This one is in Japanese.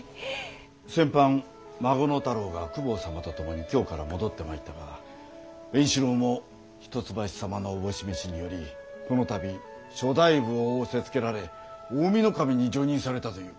先般孫の太郎が公方様と共に京から戻ってまいったが円四郎も一橋様の思し召しによりこの度諸大夫を仰せつけられ近江守に叙任されたという。